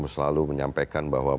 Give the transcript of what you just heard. selalu menyampaikan bahwa